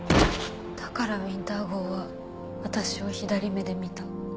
だからウィンター号は私を左目で見た。